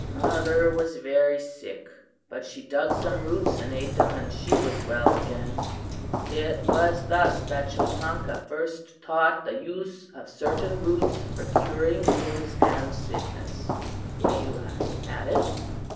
Mother was very sick, but she dug some roots and ate them and she was well again.' It was thus that Chotanka was first taught the use of certain roots for curing wounds and sickness," Weyuha added.